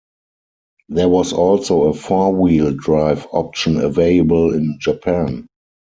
There was also a four-wheel-drive option available in Japan.